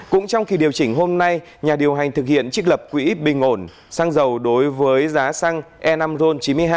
cũng trong kỳ điều chỉnh hôm nay nhà điều hành thực hiện trích lập quỹ bình ổn xăng dầu đối với giá xăng e năm ron chín mươi hai